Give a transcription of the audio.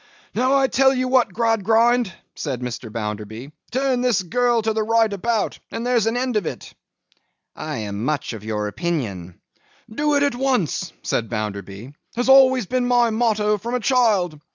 'Now I tell you what, Gradgrind!' said Mr. Bounderby. 'Turn this girl to the right about, and there's an end of it.' 'I am much of your opinion.' 'Do it at once,' said Bounderby, 'has always been my motto from a child.